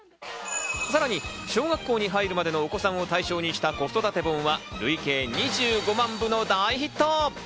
さらに小学校に入るまでのお子さんを対象にした子育て本は累計２５万部の大ヒット。